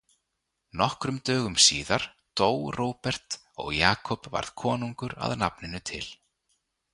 Nokkrum dögum síðar dó Róbert og Jakob varð konungur að nafninu til.